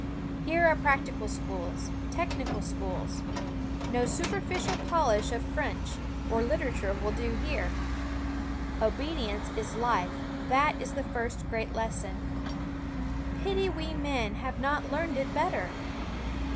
Here are prac tical schools, technical schools. No superfi cial polish of French or literature will do here. Obedience is life; that is the first great lesson. Pity we men have not learned it better!